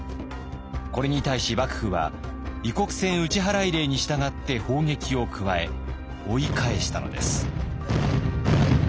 これに対し幕府は異国船打払令に従って砲撃を加え追い返したのです。